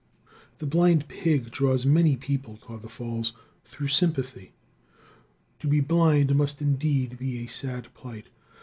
The blind pig draws many people toward the falls through sympathy. To be blind must indeed be a sad plight.